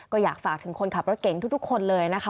ก็อยากฝากถึงคนขับรถเก่งทุกคน